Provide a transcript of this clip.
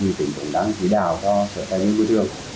giờ này tỉnh cũng đang chỉ đạo cho sở thành viên quyết thường